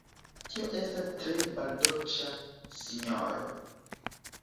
Tio estas tre maldolĉa, sinjoro!